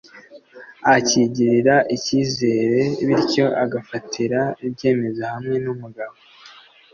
akigirira icyizere bityo agafatira ibyemezo hamwe n’umugabo